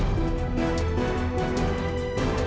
lu udah sausage apa